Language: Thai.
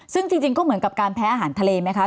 ซึ่งจริงก็เหมือนกับการแพ้อาหารทะเลไหมคะ